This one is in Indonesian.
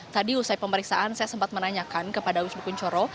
tadi usai pemeriksaan saya sempat menanyakan kepada wisnu kunchoro